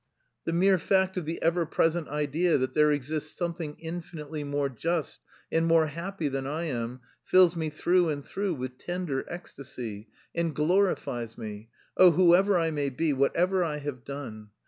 "The mere fact of the ever present idea that there exists something infinitely more just and more happy than I am fills me through and through with tender ecstasy and glorifies me oh, whoever I may be, whatever I have done!